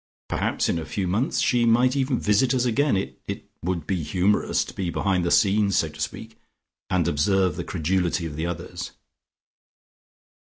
Perhaps in a few months she might even visit us again. It it would be humorous to be behind the scenes, so to speak, and observe the credulity of the others."